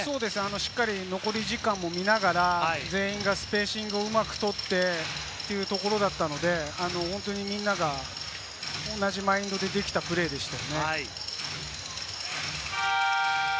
しっかり残り時間を見ながら全員がスペーシングをうまくとってというところだったので、本当にみんなが同じマインドで、できたプレーでした。